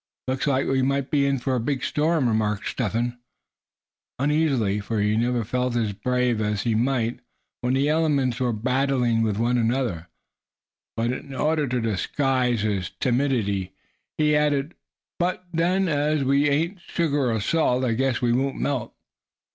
"Looks like we might be in for a big storm," remarked Step Hen uneasily, for he never felt as brave as he might when the elements were battling with one another; but in order to disguise his timidity he added: "but then, as we ain't sugar or salt, I guess we won't melt."